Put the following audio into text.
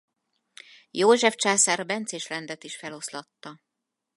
József császár a bencés rendet is feloszlatta.